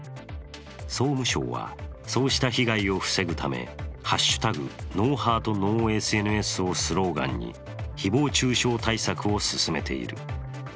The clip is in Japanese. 総務省は、そうした被害を防ぐため「＃ＮｏＨｅａｒｔＮｏＳＮＳ」をスローガンに誹謗中傷対策を進めている。